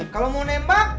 kalau mau nembak